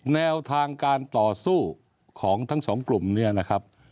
แนวทางการต่อสู้ของทั้งสองกลุ่มเนี่ยนะครับ